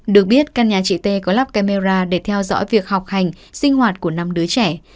được biết căn nhà chị t có lắp camera để theo dõi việc học hành sinh hoạt của năm đứa trẻ